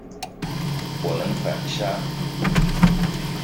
我能反殺